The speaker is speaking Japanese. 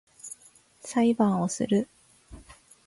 裁判をする